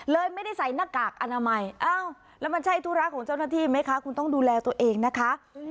ไม่ได้ใส่หน้ากากอนามัยอ้าวแล้วมันใช่ธุระของเจ้าหน้าที่ไหมคะคุณต้องดูแลตัวเองนะคะ